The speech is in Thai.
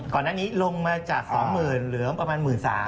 ก่อนหน้านี้ลงมาจาก๒๐๐๐เหลือประมาณ๑๓๐๐